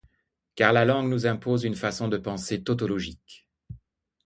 Car la langue nous impose une façon de penser tautologique.